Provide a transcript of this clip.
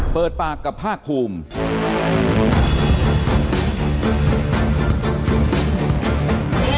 เปิดปากกับภาคภูมิ